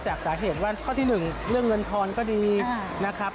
จากสาเหตุว่าข้อที่๑เรื่องเงินทอนก็ดีนะครับ